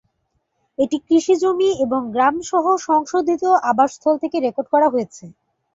এটি কৃষি জমি এবং গ্রাম সহ সংশোধিত আবাসস্থল থেকে রেকর্ড করা হয়েছে।